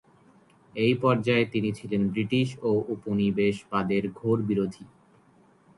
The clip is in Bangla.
এই পর্যায়ে তিনি ছিলেন ব্রিটিশ ও উপনিবেশবাদের ঘোর বিরোধী।